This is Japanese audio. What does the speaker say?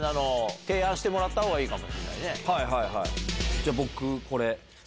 じゃあ僕これ。